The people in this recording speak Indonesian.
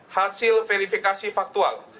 hasil verifikasi faktual